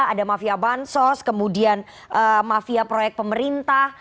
ada mafia bansos kemudian mafia proyek pemerintah